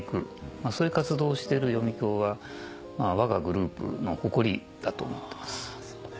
そういう活動をしている読響は我がグループの誇りだと思ってます。